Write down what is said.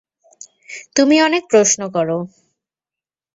তুমি অনেক প্রশ্ন করো।